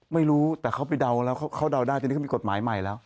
ไม่รู้แต่เขาไปเดาแล้วเขาเดาได้ตอนนี้เขามีกฎหมายใหม่แล้ว